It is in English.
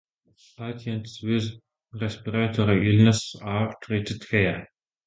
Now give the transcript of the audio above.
Patients with respiratory illnesses are treated here.